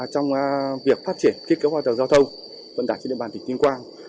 trong việc phát triển kích kế hoạt động giao thông vận đảm trên địa bàn tỉnh tuyên quang